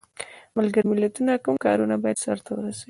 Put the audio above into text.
ملګرو ملتونو کوم کارونه باید سرته ورسوي؟